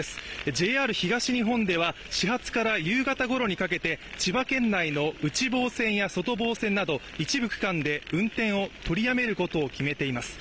ＪＲ東日本では始発から夕方ごろにかけて千葉県内の内房線や外房線の一部区間で運転を取りやめることを決めています。